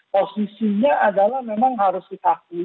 posisinya adalah memang harus dikakui